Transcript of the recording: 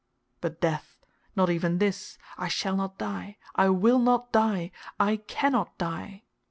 But death not even this; I shall not die, I will not die, I cannot die!